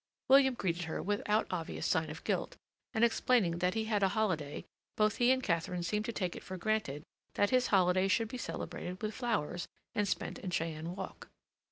William greeted her without obvious sign of guilt, and, explaining that he had a holiday, both he and Katharine seemed to take it for granted that his holiday should be celebrated with flowers and spent in Cheyne Walk.